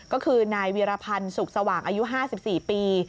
ก็คือนายวีรพันธ์สุขสว่างอายุ๕๔ปี